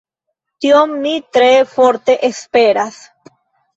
Tion mi tre forte esperas.